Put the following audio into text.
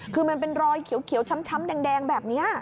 คือมันเป็นรอยเขียวช้ำแดงแบบนี้